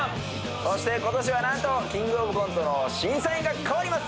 そして今年はなんと、「キングオブコント」の審査員が変わります。